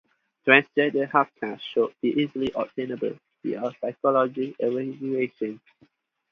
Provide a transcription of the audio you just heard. Transgender healthcare should be easily obtainable without a psychologist's evaluation.